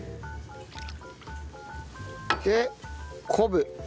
で昆布。